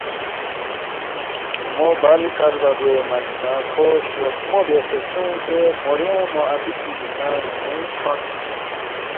مو بَل کھلبا گوے من نہ کھو شوخمو بیاسے سونگسے موڑیانگمو اپی چِگی ننگ نُو تھونس